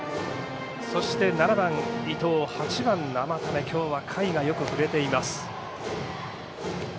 そして７番、伊藤、８番、生田目今日は下位がよく振れています。